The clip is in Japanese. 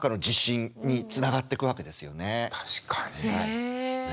確かにね。